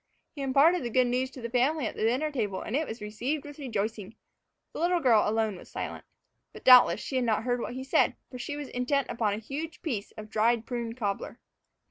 He imparted the good news to the family at the dinner table, and it was received with rejoicing. The little girl alone was silent. But, doubtless, she had not heard what he said, for she was intent upon a huge piece of dried prune cobbler.